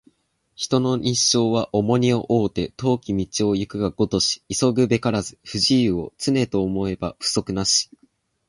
人の一生は重荷を負うて、遠き道を行くがごとし急ぐべからず不自由を、常と思えば不足なし